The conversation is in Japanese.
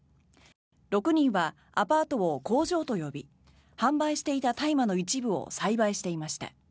６人はアパートを工場と呼び販売していた大麻の一部を栽培していました。